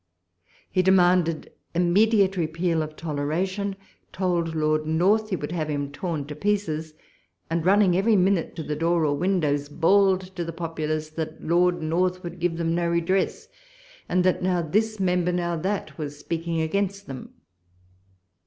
He demanded immediate repeal of toleration, told Lord North he would have him torn to pieces, and, running every minute to the door or windows, bawled to the populace that Lord North would give them no redress, and that now this member, now that, was speaking against them.